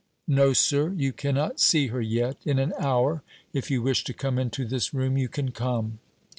"No, sir, you cannot see her yet. In an hour, if you wish to come into this room, you can come."